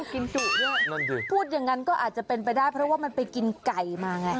กินจุด้วยนั่นสิพูดอย่างนั้นก็อาจจะเป็นไปได้เพราะว่ามันไปกินไก่มาไง